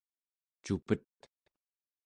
cupet